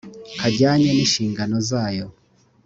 kajyanye n inshingano zayo